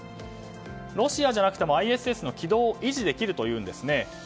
ロシアじゃなくてもＩＳＳの軌道を維持できるというんですね。